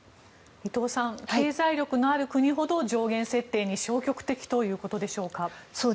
伊藤さん、経済力のある国ほど上限設定に消極的ということでしょうか。